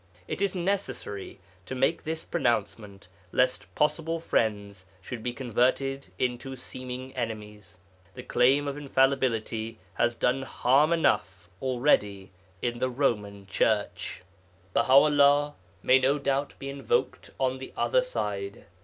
It is necessary to make this pronouncement, lest possible friends should be converted into seeming enemies. The claim of infallibility has done harm enough already in the Roman Church! Baha 'ullah may no doubt be invoked on the other side.